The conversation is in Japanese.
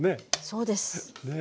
そうです。